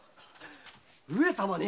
上様に？